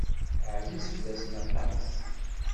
Ɛziz fell-asen aṭas.